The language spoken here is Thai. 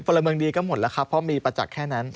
พลเมืองดีก็หมดแล้วครับเพราะมีประจักษ์แค่นั้น